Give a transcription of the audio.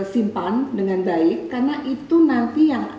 simpan dengan baik karena itu nanti yang akan